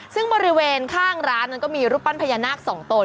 ซึ่งบริเวณข้างร้านนั้นก็มีรูปปั้นพญานาค๒ตน